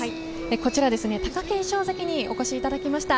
こちら、貴景勝関にお越しいただきました。